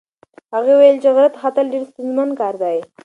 هغه وویل چې غره ته ختل ډېر ستونزمن کار دی.